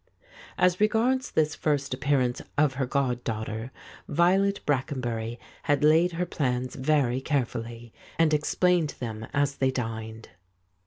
As regards this first appearance of her god daughter, Violet Brackenbury had laid her plans very carefully, and explained them as they dined.